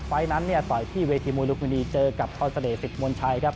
ไฟล์นั้นต่อยที่เวทีมวยลุมพินีเจอกับท่อนเสด็จศิษย์มนต์ชัยครับ